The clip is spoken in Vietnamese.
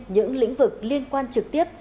những lĩnh vực liên quan trực tiếp